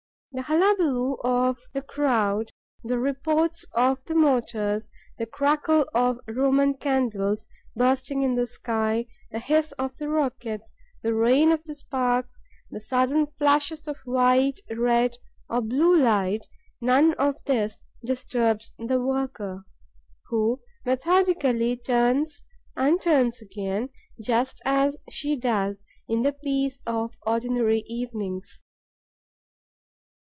The hullabaloo of the crowd, the reports of the mortars, the crackle of Roman candles bursting in the sky, the hiss of the rockets, the rain of sparks, the sudden flashes of white, red or blue light: none of this disturbs the worker, who methodically turns and turns again, just as she does in the peace of ordinary evenings.